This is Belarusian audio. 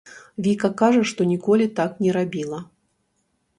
Віка кажа, што ніколі так не рабіла.